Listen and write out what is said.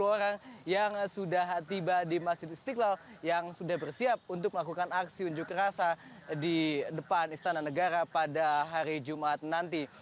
dua puluh orang yang sudah tiba di masjid istiqlal yang sudah bersiap untuk melakukan aksi unjuk rasa di depan istana negara pada hari jumat nanti